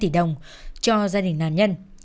hai tỷ đồng cho gia đình nàn nhân